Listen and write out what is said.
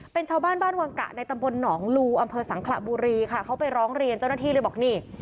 เป็นชาวบ้านบ้านวังกะในตำบลหนองลูอำเภอสังขระบุรีค่ะเขาไปร้องเรียนเจ้าหน้าที่เลยบอกนี่